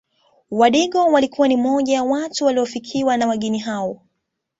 Wadigo walikuwa ni moja ya watu waliofikiwa na wageni hao